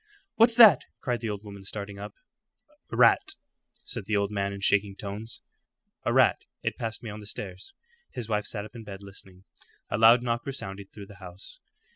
"What's that?" cried the old woman, starting up. "A rat," said the old man in shaking tones "a rat. It passed me on the stairs." His wife sat up in bed listening. A loud knock resounded through the house.